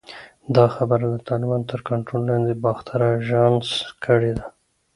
دا خبره د طالبانو تر کنټرول لاندې باختر اژانس کړې ده